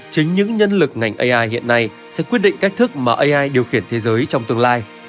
chính những nhân lực ngành ai hiện nay sẽ quyết định cách thức mà ai điều khiển thế giới trong tương lai